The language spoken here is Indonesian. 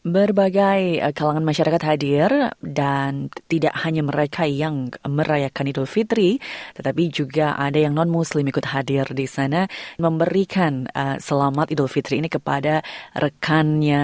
berbagai kalangan masyarakat hadir dan tidak hanya mereka yang merayakan idul fitri tetapi juga ada yang non muslim ikut hadir di sana memberikan selamat idul fitri ini kepada rekannya